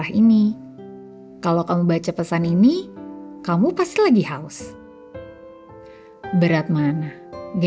tapi kenapa points si presidentnya